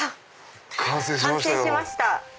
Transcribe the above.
完成しましたよ！